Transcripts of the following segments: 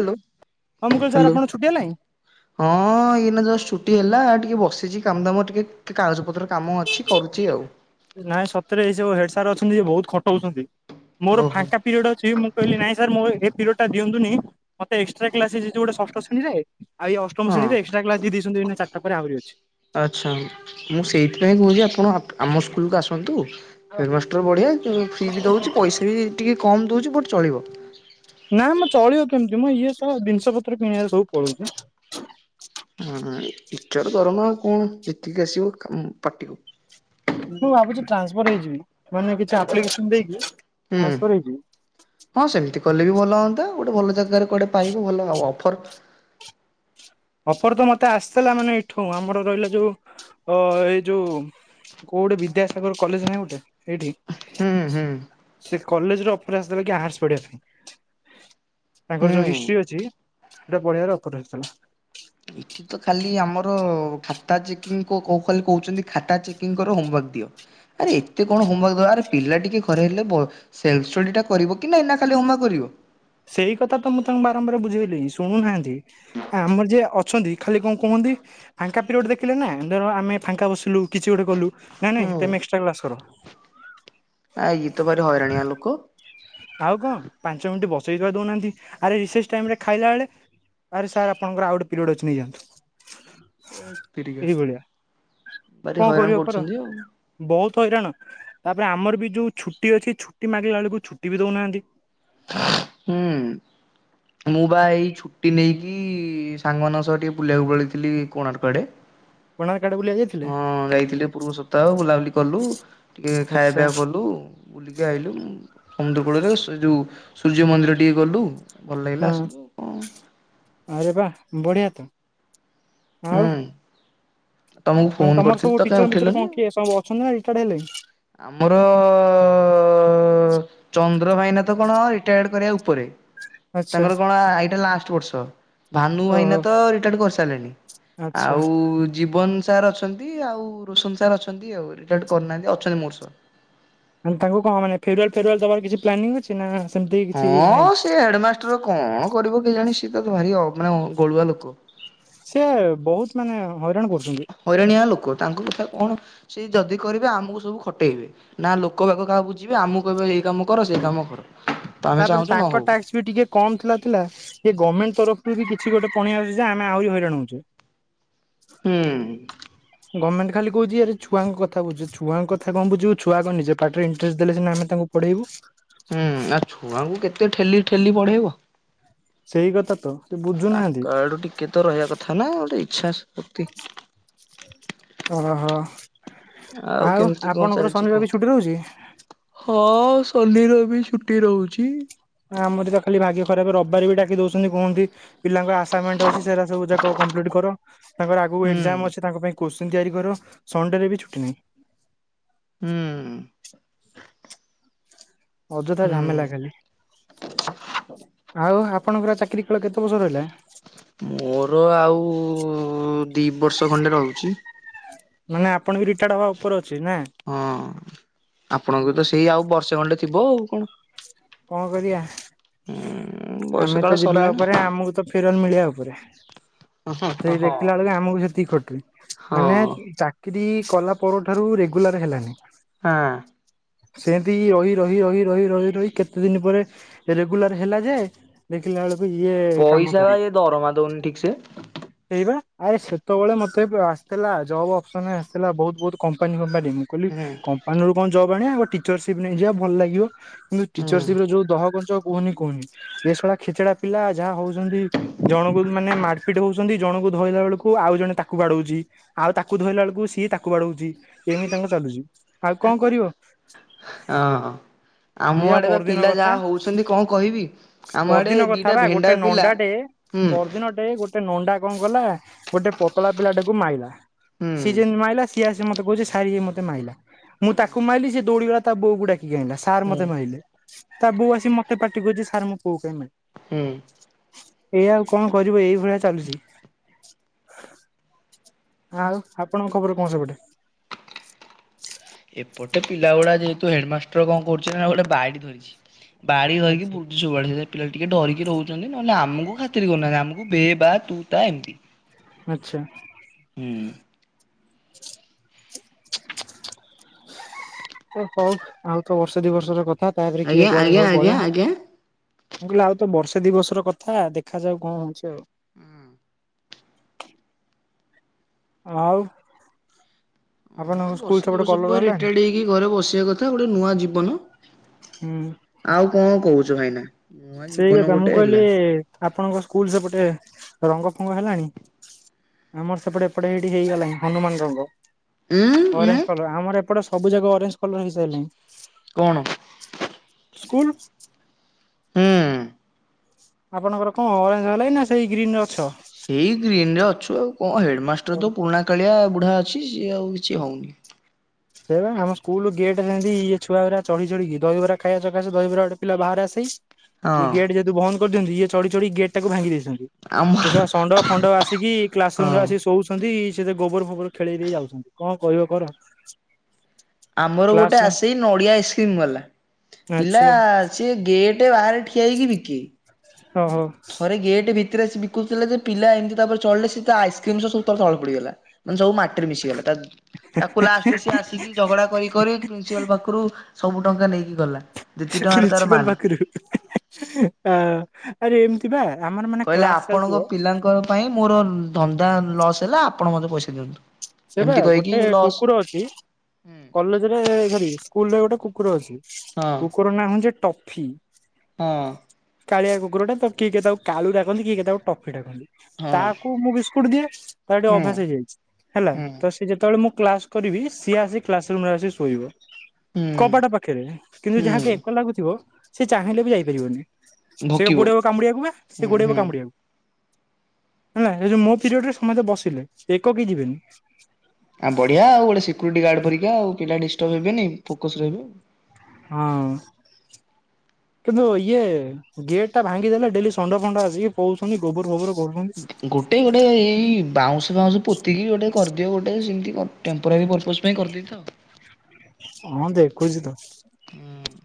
Hello. ହଁ ମୁଁ କହିଲି ସାର୍ ହାଲୋ ଆପଣ ଛୁଟି ହେଲାଣି ହଁ ଏଇ ନା ଜଷ୍ଟ ଛୁଟ ଟି ହେଲା ଟିକେ ବସିଚି କାମ ଦାମ ଟିକେ କାଗଜ ପତ୍ର କାମ ଅଛି କରୁଚି ଆଉ। ନାଇଁ ସତରେ ଏଇ ସବୁ ହେଡ ସାର୍ ଅଛନ୍ତି ବହୁତ ଖଟଉଛନ୍ତି। ମୋର ଓହୋ। ଫାଙ୍କା ପିରିୟଡ ଅଛି ମୁଁ କହିଲି ନାଇଁ ସାର୍ ମୁଁ ଏ ପିରିୟଡ ଟା ଦିଅନ୍ତୁନି ମତେ ଏକ୍ସଟ୍ରା କ୍ଲାସ ହେଇଯାଉଚି ଗୋଟେ ଷଷ୍ଠ ଶ୍ରେଣୀରେ ଆ ଏ ଅଷ୍ଟମ ହଁ ଶ୍ରେଣୀରେ ଏକ୍ସଟ୍ରା କ୍ଲାସ ଦେଇ ଦେଇଚ ନ୍ତି ଏନା ଚାରିଟା ପରେ ଆହୁରି ଅଛି। ଆଚ୍ଛା ମୁଁ ସେଇଥିପାଇଁ କହୁଚି ଆପଣ ଆପ ଆମ ସ୍କୁଲକୁ ଆସନ୍ତୁ ହେଡ ମାଷ୍ଟର ବଢିଆ ମ୍ ଫ୍ରିବି ଦଉଚି ପଇସା ବି ଟିକେ କମ୍ ଦଉଚି ଯେ ବଟ୍ ଚଳିବ। ନା ମ ଚଳିବ କେମିତି ମ ଇଏ ସଳା ଦିନିଷ ପତ୍ର କିଣିଆରେ ସବୁ ପଳଉଚୁ। ହଁ ଟିଚର ଦରମା ଆଉ କଣ ଯେତିକି ଆସିବ କା ପାଟିକୁ। ମୁଁ ଭାବୁଚି ଟ୍ରାନ୍ସଫର୍ ହେଇଯିବି ମାନେ କିଛି ଆପ୍ଲିକେସନ ଦେଇକି ହୁଁ ଟ୍ରାନ୍ସଫର ହେଇଯିବି। ହଁ ସେମିତି କଲେ ବି ଭଲ ହଅନ୍ତା ଗୋଟେ ଭଲ ଜାଗାରେ କୁଆଡେ ପାଇବୁ ଭଲ ଆଉ ଅଫର ଅଫର ତ ମତେ ଆସିଥିଲା ମାନେ ଏଠୁଁ ଆମର ରହିଲା ଯୋଉ ଅ ଏଇ ଯୋଉ କୋଉ ଗଟେ ବିଦ୍ୟାସାଗର କଲେଜ ନାହିଁ ଗୋଟେ? ଏଇଠି ହୁଁ ହୁଁ ସେ କଲେଜରେ ଅଫର ଆସିଥିଲା କି ଆର୍ସ ପଢ଼େବା ପାଇଁ। ତାଙ୍କର ଯୋଉ ହୁଁ। ହିଷ୍ଟ୍ରି ଅଛି ସେଟା ପଢ଼େଇଆର ଅଫର ଆସିଥିଲା। [unintelligible] ଖତା ଚକିଂ କୋ କୋ ଖାଲି କହୁଚନ୍ତି ଖାତା ଚେକିଂ କର ହୋମୱାର୍କ ଦିଅ। ଆରେ ଏତେ କଣ ହୋମୱାର୍କ ଆରେ ପିଲା ଟିକେ ଘରେ ହେଲେ ବ ସେଲଷ୍ଟଡି ଟା କରିବ କି ନାଇଁ ନା ଖାଲି ହୋମୱର୍କ କରିବ। ସେଇ କଥା ତ ମୁଁ ତାଙ୍କୁ ବାରମ୍ବାର ବୁଝେଇଲି ଶୁଣୁନାହାନ୍ତି ଆ ଆମର ଯିଏ ଅଛନ୍ତି ଖାଲି କଣ କୁହୁଅନ୍ତି ଫାଙ୍କା ପିରିୟଡ ଦେଖିଲେ ନା ଧର ଆମେ ଫାଙ୍କା ବସିଲୁ କିଛି ଗୋଟେ କଲୁ ନାଇଁ ନଇ ହୁଁ। ତମେ ଏକ୍ସଟ୍ରା କ୍ଲାସ କର। ଆ ଇଏତ ଭାରି ହଇରାଣିଆ ଲୋକ। ଆଉ କଣ ପାଞ୍ଚ ମିନିଟ ବସେଇ ତ ଦଉନାହାନ୍ତି ଆରେ ରିଶେଷ ଟାଇମ୍ ରେ ଖାଇଲା ବେଳେ ଆରେ ସାର୍ ଆପଣଙ୍କର ଆଉ ଗୋଟେ ପିରିୟଡ ଅଛି ନେଇଯାଆନ୍ତୁ। ହେ ତିରିକା ଏଇଭଳିଆ। ଭାରି ହଇରାଣ କରୁଛନ୍ତି ଆଉ। ତ ହଇରାଣ ତାପରେ ଆମର ବି ଯୋଉ ଛୁଟି ଅଛି ଛୁଟି ମାଗିଲା ବେଳକୁ ଛୁ ଟି ବି ଦଉନାହାନ୍ତି। ହୁଁ ମୁଁ ବା ଏଇ ଛୁଟି ନେଇକି ସାଙ୍ଗମାନାନଙ୍କ ସହ ଟିକେ ବୁଲିବାକୁ ପଳେଇଥିଲି କୋଣାର୍କ ଆଡେ। [unintelligible] ଯାଇଥିଲେ ହଁ ଯାଇଥିଲି ପୂର୍ବ ସପ୍ତାହ ବୁଲାବୁଲି କଲୁ ଟିକେ ଖାଇବା ଆଚ୍ଛା ପିଇବା କଲୁ ବୁଲିକି ଆଇଲୁ ସମୁଦ୍ର କୂଳରେ ସେ ଯୋଉ ସୂର୍ଯ୍ୟ ମନ୍ଦିର ଟିକେ ଗଲୁ ଭଲ ଲାଗିଲା ହଁ ଆସିଲୁ ଆଉ ଆରେ ବା ବଢ଼ିଆ ତ। ଆଉ ହୁଁ। ତମକୁ ଫୋନ ମାନେ ତମର କରିଥିଲି ସବୁ ତ କାହିଁ ଟିଚର ମିଚର ଉଠେଇଲନି କଣ କି ସବୁ ଅଛନ୍ତି ନା ଏଇ ରିଟାର୍ଡ଼ ହେଲେଣି? ଆମର ଅ ଚନ୍ଦ୍ର ଭାଇନା ତ କଣ ରିଟାୟାର୍ଡ କରିବା ଉପରେ ଆଚ୍ଛା ତାଙ୍କର କଣ ଆଇଟା ଲାଷ୍ଟ ବର୍ଷ। ଭାନୁ ଓହୋ ଭାଇନା ତ ରିଟାୟାର୍ଡ କର ସାଲେଣି। ଆଚ୍ଛା ଆଉ ଯିବ ଭୁବନ ସାର୍ ଅଛନ୍ତି ଆଉ ରୋଶନ ସାର୍ ଅଛନ୍ତି ଆଉ ରୀଟାଟ୍ କରିନାହାନ୍ତି ଅ ଛନ୍ତି ମୋରଷ ତାଙ୍କୁ କଣ ମାନେ ଫେରୁୱଲ ଫେରୁୱାଲ ଦବାର କିଛି ପ୍ଲାନିଂ ଅଛି ନା ସେମିତି କିଛି ନାହିଁ? ହଁ ସେ ହେଡମାଷ୍ଟର କଣ କରିବ କେ ଜାଣି ସିଏ ତାକୁ ଭାରି ଅ ମାନେ କଁ ଗଳୁଆ ଲୋକ। ସେ ବହୁତ ମାନେ ହଇରାଣ କରୁଚନ୍ତି। ହଇରାଣିଆ ଲୋକ ତାଙ୍କ କଥା କଣ ସେ ଯଦି କରିବେ ଆମକୁ ସବୁ ଖଟେଇବେ ନା ଲୋକ ବାକ କାହା ବୁଝିବେ ଆମକୁ କହିବେ ଏଇ କାମ କର ସେ କାମ କର ତ ଆମେ ତାପରେ ଚାହୁଁଛୁ ନ ତାଙ୍କ ହଉ ଟ୍ୟାକ୍ସ ବି ଟିକେ କମ ଥିଲା ଥିଲା ସେଏ ଗମେଣ୍ଟ ତରଫରୁ କିଛି ଗୋଟେ ପଣି ଆଉଚି ଯେ ଆମେ ଆହୁରି ହଇରାଣଉଚୁ। ହୁଁ। ଗମେଣ୍ଟ ଖାଲି କହୁଛି ଆରେ ଛୁଆ ଙ୍କ କଥା ବୁଝ ଛୁଆଙ୍କ ଙ୍କ କଥା କଣ ବୁଝିବୁ ଛୁଆ ଆଗ ନିଜେ ପାଠରେ ଇଣ୍ଟରେଷ୍ଟ ଦେଲେ ଆମେ ତାଙ୍କୁ ପଢେଇବୁ। ହୁଁ ଆଉ ଛୁଆଙ୍କୁ କେତେ ଠେଲି ଠେଲି ପଢେଇବ। ସେଇ କଥା ତ ସେ ବୁଝୁନାହାନ୍ତି ତାଙ୍କ ଆଡୁ ଟିକେ ତ ରହିବା କଥା ନା ଗୋଟେ ଇ ଛାସ ଓହୋ। ଆଉ କେମିତି କଣ ଆପଣଙ୍କର ଚାଲିଛି ଶନି କୁହ? ରବି ଛୁଟି ରହୁଛି? ହଁ ଶନି ରବି ଛୁଟି ରହୁଛି। ଆମରି ଯା ଖାଲି ଭାଗ୍ୟ ଖରାପ ରବିବାର ବି ଡାକି ଦଉସନ୍ତି କହୁସନ୍ତି ପିଲାଙ୍କ ଆସାମେଣ୍ଟ ଅଛି ସେରା ସବୁ ଯାଙ୍କ କମ୍ପ୍ଲିଟ କର। ତାଙ୍କର ଆଗକୁ ହୁଁ ଏକ୍ଜାମ ଅଛି ତାଙ୍କ ପାଇଁ କୋଶ୍ଚିନ୍ ତିଆରି କର ସଣ୍ଡେରେ ବି ଛୁଟି ନାହିଁ। ହୁଁ। ଅଯଥା ହୁଁ। ଝାମେଲା ଖାଲି ଆଉ ଆ - ଆପଣଙ୍କର ଚାକିରି କାଳ କେତେ ବର୍ଷ ରହିଲା? ମୋର ଆଉ ଦି ବର୍ଷ ଖଣ୍ଡେ ରହୁଛି। ମାନେ ଆ ହଁ ଆପଣଙ୍କୁ ତ ସେଇ ଆଉ ବର୍ଷେ ଖଣ୍ଡେ ଥିବ ଆଉ କଣ କଣ କରିବା ହୁଁ ବୟସ ଆମେ କାଳ ତ ଯିବା ସରିଲାଣି ଉପରେ ଆମକୁ ତ ଫେରନ୍ ମିଳିବା ଉପରେ ହଁ ସେଇ ଦେଖିଲା ବେଳକୁ ଆମକୁ ସେତିକି ଖଟିଲି ମାନେ ହଁ। ଚାକିରି କଲା ପରଠାରୁ ରେଗୁଲାର ହେଲାନି। ହଁ। ସେମିତି ରହି ରହି ରହି ରହି ରହି ରହି କେତେ ଦିନ ପରେ ରେଗୁଲାର ହେଲା ଯେ ଦେଖିଲା ବେଳୁ ପଇସା ବା ଯେ ଦରମା ଦନ ଠିକ ସେ ସେଇବା ଆରେ ସେତେବେଳେ ମତେ ଆସିଥିଲା ଜବ୍ ଅପ୍ସନ ଆସିଥିଲା ବହୁତ ବହୁତ କମ୍ପାନୀ ଫମ୍ପାନୀ ମୁଁ କହିଲି ହୁଁ କମ୍ପାନୀରୁ କଣ ଜବ ଆଣିବା ବଟ ଟିଚରସିପ ନେଇଯିବା ଭଲ ଲାଗିବ। ହୁଁ ଟିଚରସିପ୍ ରେ ଯୋଉ ଦହ ଗଞ୍ଚ କୁହନି କୁହନି ଏ ସଳା ଖେଚେଡା ପିଲା ଯାହା ହଉଚନ୍ତି ଜଣଙ୍କୁ ମାନେ ମାଡ଼ପିଟ ହଉଚନ୍ତି ଜଣଙ୍କୁ ଧଇଲା ବେଳକୁ ଆଉ ଜଣେ ତାକୁ ବାଡୋଉଚି ଆଉ ତାକୁ ଧୋଇଲା ବେଳକୁ ସିଏ ତାକୁ ବାଡୋଉଚି। କେମିତି ତାଙ୍କ ଚାଲୁଚି ଆଉ କଣ କରିବ। ହଁ। ଆମ ଏଇଆ ଆଡେ ବା ପରଦିନ ପିଲା କଥା ଯାହା ହଉଛନ୍ତି କଣ କହିବି ଆମ ଆଡେ ପରଦିନ କଥା ଦିଟା ବା ଭେଣ୍ଡା ଗୋଟେ ପିଲା ହୁଁ। ଅଣ୍ଡା କଣ କଲା ଗୋଟେ ପତଳା ପିଲାଟାକୁ ମାଇଲା। ହୁଁ ସିଏ ଯେମିତି ମାଇଲା ସି ସିଏ ଆସିକି ମତେ କହୁଚି ସାର ଇଏ ମତେ ମାଇଲା। ମୁଁ ତାକୁ ମାରିଲି ସେ ଦୌଡ଼ିଗଲା ତା ବଉକୁ ଡାକି କି ଆଣିଲା। ସାର୍ ହୁଁ ମତେ ମାଇଲେ। ତା ବୋଉ ଆସି ମତେ ପାଟିକରୁଚି ସାର ମୋ ପୁଅ କୁ କାଇଁ ମାଇଲ। ହୁଁ। ଏୟା ଆଉ କଣ କରିବ ଏଇ ଭଳିଆ ଚାଲୁଛି। ଆଉ ଆପଣଙ୍କ ଖବର କଣ ସେପଟେ। ଏପଟ ଏ ପିଲ ଗୁଡା ଯେହେତୁ ହେଡମାଷ୍ଟର କଣ କରୁଚି ନା ଗୋଟେ ବାଡି ଧରିଚି। ବାଡ଼ି ଧରିକି ବୁଲୁଚି ସବୁଆଡେ ସେ ପିଲା ଟିକେ ଡରିକି ରହୁଛନ୍ତି ନହେଲେ ଆମକୁ ଖାତିରି କରୁନାହାନ୍ତି ଆମକୁ ବେ ବା ତୁ ତା ଏମିତି। ଆଚ୍ଛା। ହୁଁ। [unintelligible] ତ ସଉ ଆଉ ତ ବର୍ଷ ଦି ବର୍ଷର କଥା ତାପରେ କିଏ ଆଜ୍ଞା କୁଆଡେ ଆଜ୍ଞା ସବୁ ଆଜ୍ଞା ପଳେଇବା ଆଜ୍ଞା। ମୁଁ କହିଲି ଆଉ ତ ବର୍ଷ ତ ଦିବସର କଥା ଦେଖାଯାଉ କଣ ହେଉଛି ଆଉ। ହୁଁ। ଆଉ ହଁ ଆପଣଙ୍କ ସ୍କୁଲ ବର୍ଷ ଦ ସେପଟେ ବର୍ଷ କଲର ପରେ ହେଲାଣି? ରିଟାୟାର୍ଡ ହେଇକି ଘରେ ବସିବା କଥା ଗୋଟେ ନୂଆ ଜୀବନ ହୁଁ। ଆଉ କଣ କହୁ। ଛ ଭାଇନା। ନୂଆ ସେଇ ଜୀବନ କଥା ମୁଁ ଗୋଟେ କହିଲି ହେଲା ଆପଣଙ୍କ ସ୍କୁଲ ସେପଟେ ରଙ୍ଗ ଫଙ୍ଗ ହେଲାଣି ଆମର ସେପଟେ ଏପଟେ ସେଇଠି ହେଇଗଲାଣି ହନୁମାନ ରଙ୍ଗ। ଉଁ ଉଁ ଅରେଞ୍ଜ କଲର ଆମର ଏ ଏପଟ ସବୁା ଅରେଞ୍ କଲର ହେଇସାରିଲଣି। କଣ ସ୍କୁଲ ହୁଁ। ଆପଣଙ୍କର କଣ ଅରେଞ୍ଜ ହେଲାଇଁ ନା ସେଇ ଗ୍ରୀନରେ ଅଛ? ସେଇ ଗ୍ରୀନ ରେ ଅଛୁ ଆଉ। କଣ ହେଡମାଷ୍ଟର ତ ପୁରୁଣା କାଳିଆ ବୁଢା ଅଛି। କି ଆଉ କିଛି ହଉନି। ସେଇ ବା ଆମ ସ୍କୁଲ ଗେଟ ସେମିତି ଏ ଛୁଆ ଗୁଡା ଚଢି ଚଢି କି ଦହି ବରା ଖାଇବା ସକାଶେଦହି ବରା ଗୋଟେ ପିଲା ବାହାର ଆସି ଏ ହଁ ଗେଟ ଜେହେତୁ ବନ୍ଦ କରିଛନ୍ତି ଏ ଚଢି ଚଢି ଗେଟ ଟାକୁ ଭାଙ୍ଗି ଦେଇଛନ୍ତି। ସେ ଆମର ଷଣ୍ଢ ଫଣ୍ଡ ଆସିକି କ୍ଲାସ ରୁମ ରେ ହଁ। ଆସିିକି ଶୋଉଛନ୍ତି। ସେ ଗୋବର ଫୋବର ଖେଳେଇ ଦେଇ ଯାଉଛନ୍ତି କଣ କହିବ କର। ଆମର କ୍ଲାସ ଗୋଟେ ରୁମ୍ ଆସେଇ ନଡିଆ ଆଇସ୍କ୍ରିମ ବାଲା ପିଲା ଆଚ୍ଛା ସିଏ ଗେଟ ବାହାରେ ଠିଆ ହେଇକି ବିକେ ଓହୋ। ଥରେ ଗେଟ ଭି ରେ ଆସି ବିକୁଥିଲେ ଯେ ପିଲା ଏମିତି ତାପରେ ଚଢିଲେ ସେ ତା ଆଇସ୍କ୍ରିମ ସହ ସବୁ ତାର ତଳେ ପଡ଼ିଗଲା ମାନେ ସବୁ ମାଟିରେ ମିଶିଗଲା ତା ତାକୁ ଲାଷ୍ଟରେ ସିଏ ଆସିକି ପ୍ରିନ୍ସିପାଲ ପାଖରୁ ସବୁ ଟଙ୍କା ନେଇକି ଗଲା ଦତିି ସେ ଟଙ୍କାର ତାର ପ୍ରିନ୍ସିପାଲ ମାଲ ପାଖରୁ ଆ ଆରେ ଏମିତି ବା ଆମର ମାନେ କହିଲେ କ୍ଲାସ ଚାଲିଥିବ ଆପଣଙ୍କ ପିଲାଙ୍କ ପାଇଁ ମୋର ଧନ୍ଦା ଲସ୍ ହେଲା ଆପଣ ମୋତେ ପଇସା ଦିଅନ୍ତୁ। ସେ ବା ଏମିତି କହିକି ଗୋଟେ ଲସ୍ କୁକୁର ଅଛି ହଁ କଲେଜ ରେ ଧରି ସ୍କୁଲରେ ଗୋଟେ କୁକୁର ଅଛି। ହଁ କୁକୁର ନାଁ ହଉଚି ଟ ପକ୍ଷୀ ହଁ। କଳିଆ କୁକୁରଟା ତ କିଏ କେତ ତାକୁ କାଳ ଡାକନ୍ତି କିଏ କେ ତାକୁ ଟଫି ଡ଼ାକନ୍ତି। ହଁ ତାକୁ ମୁଁ ବିସ୍କୁଟ ଦିଏ ତା ଟିକେ ହୁଁ ଅଭ୍ୟାସ ହେଇଯାଇଛି। ହୁଁ ତ ସେ ଯେତେବେଳେ ମୁଁ କ୍ଲାସ କରିବି ସିଏ ଆସି କ୍ଲାସ ରୁମ ରେ ଆସି ଶୋଇବ ହୁଁ। କବାଟ ପାଖରେ କିନ୍ତୁ ଯାହାକି ହୁଁ ଏକ ଲାଗୁଥିବ। ସେ ଚାହିଁଲେ ବି ଯାଇପାରିବନି। ସେ ଭୋକିବ ଗୋଡେଇବ କାମୁଡ଼ି ଆକୁ ବା ହୁଁ ସେ ଗୋଡେଇବ ହୁଁ କାମୁଡ଼ି ଆକୁ ହେ ଏ ଯୋଉ ମୋ ପିରିୟଡ ରେ ସମସ୍ତେ ବସିଲେ ଏକକ ଯିବେନି ଆ ବଢିଆ ଆଉ ଗୋଟେ ସିକ୍ୟୁରିଟି ଗାର୍ଡ ପରୀକା ଆଉ ପିଲା ଡିଷ୍ଟର୍ବ ହେବେନି ଫୋକସ ରହିବ ଆଉ ହଁ କିନ୍ତୁ ଇଏ ଗେଟ ଟା ଭାଙ୍ଗିଦେଲେ ଡେଲି ଫଣ୍ଡ ଆଏ କହୁଉଛନ୍ତି ଗୋବର ଫୋବର କରୁଛନ୍ତି। ଗୋଟେ ଗୋଟେ ଏଇ ବାଉଁଶ ଫାଉଁଶ ପୋତିକି ଗୋଟେ କରିଦିଅବ ଗୋଟେ ସେମତି ଟେମ୍ପରାରୀ ପର୍ପୋଜ ପାଇଁ କରିଦେଇଥ। ହଁ ଦେଖୁଚି ତ। ହୁଁ।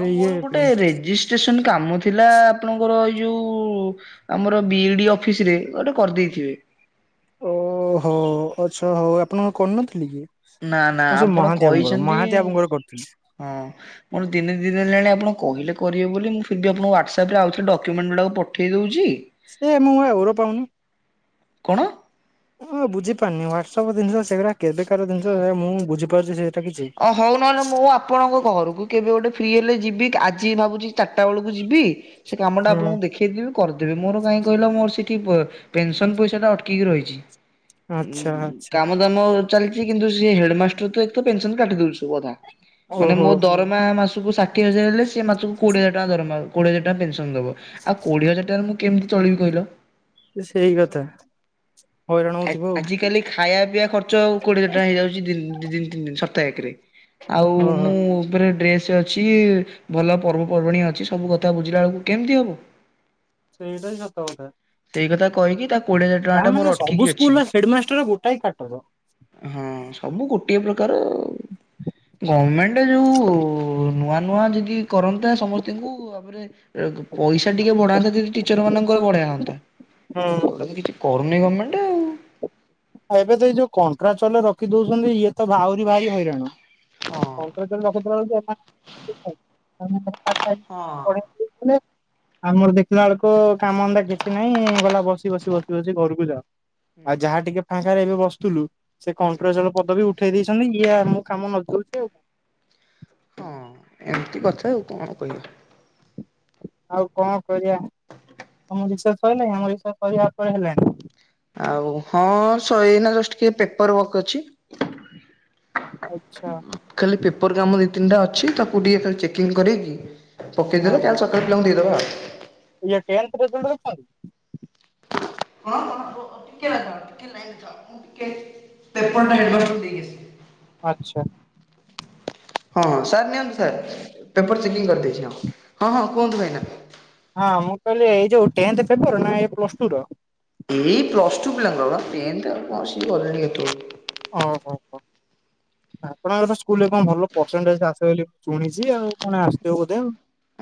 ଆଉ ଇଏ ମୋର ଗୋଟେ ରେଜିଷ୍ଟ୍ରେସନ କାମ ଥିଲା ଆପଣଙ୍କର ଏଇ ଯୋଉ ଆମର ବିଇଡି ଅଫିସରେ ଗୋଟେ କରିଦେଇଥିବେ। ଓହୋ ଆଚ୍ଛା ହୋଉ ଆପଣ କଣ କରିନଥିଲେ କି? ନାଁ ନାଁ ଓ ସେ ଆପଣ ମହାନ୍ତି ବାବୁଙ୍କର କହିଚନ୍ତି। ମହାନ୍ତି ବାବୁଙ୍କର କରିଥିଲି ହଁ କଣ ଦିନେ ଦି ଦିନ ହେଲାଣି ଆପଣ କହିଲେ କରିବେ ବୋଲି। ମୁଁ ଫିରବି ଆପଣଙ୍କୁ ହ୍ୱାଟ୍ଆପ୍ ରେ ଆଉଥରେ ଡାକ୍ୟୁମେଣ୍ଟ ଗୁଡାକ ପଠେଇ ଦୋଉଚି। ସେ ମୁଁ ବା ଓର ପାଉନି। କଣ? କଣ ଏ ବୁଝି ପାରୁନି ହ୍ୱାଟ୍ସ ସବୁ ଜିନିଷ ସେଗୁରା କେବେକାର ସେ ମୁଁ ବୁଝିପାରୁଚି ଯେ ଅ ହଉ ନହେଲେ ମୁଁ ଆପଣଙ୍କ ଘରକୁ କେବେ ଗୋଟେ ଫ୍ରି ହେଲେ ଯିବି। ଆଜି ଭାବୁଚି ଚାରିଟା ବେଳକୁ ଯିବି। ସେ କାମଟା ହୁଁ ଆପଣଙ୍କୁ ଦେଖେଇଦେବି। କରିଦେବି। ମୋର କାହିଁ କହିଲା ମୋର ସେଠି ପେନସନ ପଇଷାଟା ଅଟକିକି ରହିଚି। ଉଁ ଆଚ୍ଛା ହୁଁ ଆଚ୍ଛା କାମ ଦାମ ଚାଲିଚି କିନ୍ତୁ ସେ ହେଡମାଷ୍ଟର ତ [unintelligible] ପେନସନ କାଟି ଦୋଉଚୁ ଅଧା। ମାନେ ଓହୋ ମୋ ଦରମା ମାସକୁ ସା ଷାଠିଏ ହଜାର ହେଲେ ସେ ମାସକୁ କୋଡିଏ ହଜାର ଟଙ୍କା ଦରମା କୋଡିଏ ହଜାର ଟଙ୍କା ପେନସନ ଦବ। ଆଉ କୋଡିଏ ହଜାର ଟଙ୍କାରେ ମୁଁ କେମିତି ଚଳିବି କହିଲ? ସେଇ କଥା। ହଇରାଣ ହେଉଥିବ ଆଉ। ଖାଇଆ ପିଆ ଖର୍ଚ୍ଚ ର୍ଚ୍ଚ ଆଉ କୋଡିଏ ଟଙ୍କା ହେଇଯାଉଚି ଦିନକୁ ଦି ଦିନ ତିନ ଦିନ ସପ୍ତାହକରେ ଆଉ ଓହୋ ମୁଁ ଫେରେ ଡ୍ରେସ୍ ଅଛି ଭଲ ପର୍ବପର୍ବାଣ ଅଛି ସବୁ କଥା ବୁଝିଲା ବେଳକୁ କେମତି ହବ। ସେଇଟ ହିଁ ସତ କଥା। ସେଇ କଥା କହିକି ତାକୁ ତା ମାନେ ସବୁ ସ୍କୁଲର ହେଡମାଷ୍ଟର ଗୋଟଏ କାଟର। ହଁ ସବୁ ଗୋଟିଏ ପ୍ରକାର ଆଉ। ଗମେଣ୍ଟ ଯୋଉ ନୂଆ ନୂଆ ଯଦି କରନ୍ତା ସମସ୍ତଙ୍କୁ ତାପରେ ଏ ପଇସା ଟିକେ ବଢାନ୍ତା ଯଦି ଟିଚର ମାନଙ୍କର ବଢ ହୁଁ। ସେଗୁଡା ତ କିଛି କରୁନି ଗମେଣ୍ଟ ଆଉ। ଏବେ ତ ଏଇ ଯୋଉ କଣ୍ଟ୍ରାଚଆଲ ରଖି ଦଉଚନ୍ତି ଇଏ ତ ଭହୁରି ଭାରି ହଇରାଣ ଆଉ କଣ୍ଟ୍ରାଚଆଲ ରଖୁଥିଲା ବେଳକୁ ହଁ [unintelligible] [unintelligible] ଆମର ଦେଖିଲା ବେଳକୁ କାମ ଅନ୍ଦା କିଛି ନାହିଁ ଗଲା ବସି ବସି ବସି ବସି ଘରକୁ ଯାଅ। ଆଉ ଯାହା ଟିକେ ରେ ଏବେ ବସୁଥିଲୁ ସେ କଣ୍ଟ୍ରାଚୁଆଲ ପଦବି ଉଠେଇ ଦେଇଛନ୍ତି। ଇଏ ମୁଁ କାମ ନଦି ଦଉଛି [unintelligible] ହଁ ଏମିତି କଥା ଆଉ କଣ କହିବି। ଆଉ କଣ କରିବା ତମ ବିଷୟରେ ସରିଲାଣି ଆମ ବିଷୟ ସରିବା ଉପରେ ହେଲାଣି। ଆଉ ହଁ ସୋଇନା ଜଷ୍ଟ କି ପେପର ୱକ ଅଛି। ଆଚ୍ଛା ଖାଲି ପେପର କାମ ରେ ତିନିଟା ଅଛି ତାକୁ ଟିକେ ତା ଚେକିଂ କରକି ପକେଇଦବେ ଓହୋ କାଲି ସକାଳେ ପିଲାଙ୍କୁ ଦେଇଦବା ଇଏ ଟେନ୍ଥ ରେଜଲ୍ଟ ରଖିଛନ୍ତି [unintelligible] ଆଚ୍ଛା। ହଁ ସାର୍ ନିଅନ୍ତୁ ସାର୍ ପେପର ଚେକିଂ କରିଦେଇଚି ହଁ ହଁ ହଁ କୁହନ୍ତୁ ଭାଇନା। ହଁ ମୁଁ କହିଲି ଏଇ ଯୋଉ ଟେନ୍ଥ ପେପର ନା ପ୍ଲସ ଟୁ ର? ଏଇ ପ୍ଲସ୍ ଟୁ ପିଲାଙ୍କର ବା ଟେନ୍ଥ ବସିକି ଗଲେଣି କେତେବେଲୁ। ଓହୋ ହୋ ଆପଣଙ୍କର ସ୍କୁଲ ରେ କଣ ଭଲ ପରସେଣ୍ଟଟେଜ ଆସେ ବୋଲି ମୁଁ ଶୁଣିଚି ଆଉ କଣ ଆସିଥିବ ବୋଧେ ଆଉ।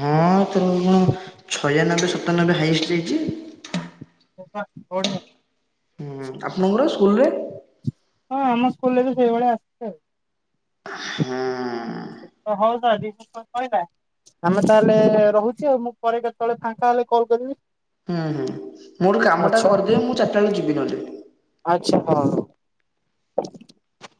ହଁ ତା ନହେଲେ ହାଇଷ୍ଟ ହେଇଚି। [unintelligible] ହୁଁ ଆପଣଙ୍କର ସ୍କୁଲରେ ହଁ ଆମ ସ୍କୁଲରେ ତ ସେଇଭଳିଆ ଆସିଛି ଆଉ ହୁଁ। ହଉ [unintelligible] ସଇଲା ଆମେ ତାହେଲେ ରହୁଛି ଆଉ ମୁଁ ପରେ କେତେବେଳେ ଫାଙ୍କା ହେଲେ କଲ କରିବେ। ହୁଁ ହୁଁ ମୋର କାମ ଟା କରିଦେଏ ମୁଁ ଚାରି ଟା ବେଳକୁ ଯିବି ନ ଦେବି। ହଁ।